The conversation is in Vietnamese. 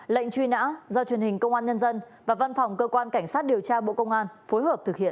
lệnh truy nã do truyền hình công an nhân dân và văn phòng cơ quan cảnh sát điều tra bộ công an phối hợp thực hiện